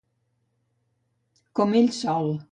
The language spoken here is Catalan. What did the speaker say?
Com ell sol.